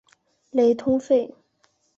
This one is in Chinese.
雷通费。